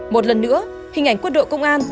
một lần nữa hình ảnh quân đội công an